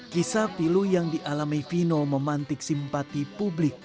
kisah pilu yang dialami vino memantik simpati publik